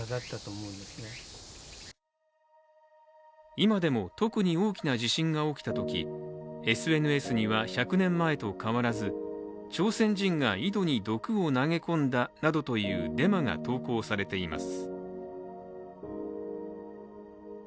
今でも特に大きな自信が起きたとき、ＳＮＳには１００年前と変わらず、朝鮮人が井戸に毒を投げ込んだなどというデマが投稿されています。